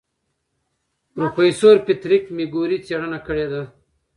پروفیسور پیټریک مکګوري څېړنه کړې ده.